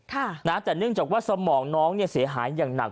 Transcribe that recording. แต่เนื่องจากว่าสมองน้องเนี่ยเสียหายอย่างหนัก